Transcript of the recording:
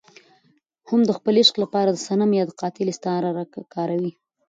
هم د خپل عاشق لپاره د صنم يا قاتل استعاره کاروي.